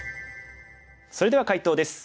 それでは解答です。